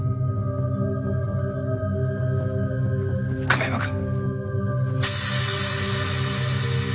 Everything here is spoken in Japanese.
亀山君！